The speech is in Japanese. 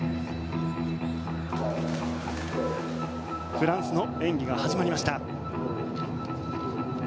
フランスの演技が始まりました。